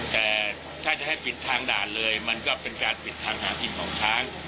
แต่ถ้าจะให้ปิดทางด่านเลยมันก็เป็นการปิดทางหากินของช้าง